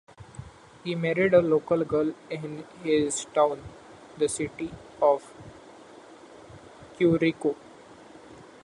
He married a local girl in his town, the city of Curico.